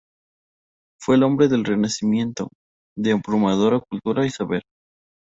Fue un hombre del Renacimiento, de abrumadora cultura y saber.